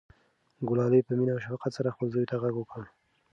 ګلالۍ په مینه او شفقت سره خپل زوی ته غږ وکړ.